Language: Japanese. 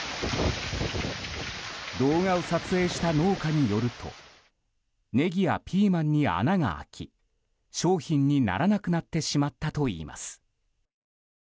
動画を撮影した農家によるとネギやピーマンに穴が開き商品にならなくなってしまったといいます。